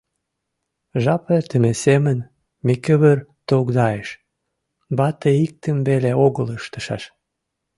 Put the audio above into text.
Жап эртыме семын Микывыр тогдайыш: вате иктым веле огыл ыштышаш.